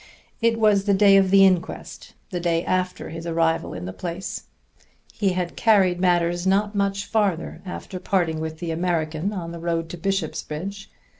It was the day of the inquest, the day after his arrival in the place. He had carried matters not much farther after parting with the American on the road to Bishopsbridge.